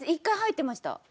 １回入ってました。